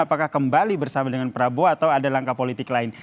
apakah kembali bersama dengan prabowo atau ada langkah politik lain